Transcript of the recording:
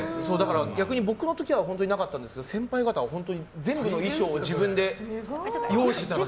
逆に僕の時はなかったんですけど先輩方は全部の衣装を自分で用意していたらしい。